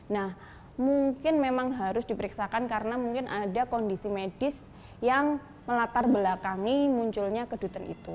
nah mungkin memang harus diperiksakan karena mungkin ada kondisi medis yang melatar belakangi munculnya kedutan itu